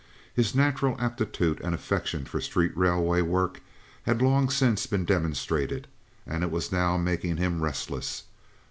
His natural aptitude and affection for street railway work had long since been demonstrated, and it was now making him restless.